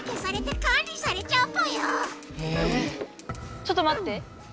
ちょっとまって！